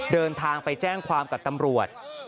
เดินทางไปแจ้งความกับตำรวจ